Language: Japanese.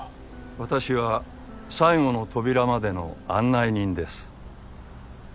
私は最後の扉までの案内人です。